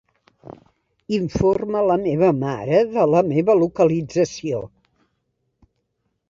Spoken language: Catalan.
Informa la meva mare de la meva localització.